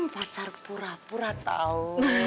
pasar pura pura tau